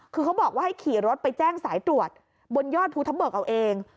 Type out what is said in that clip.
คือเขาบอกว่าให้ขี่รถไปแจ้งสายตรวจบนยอดภูทะเบิกเอาเอง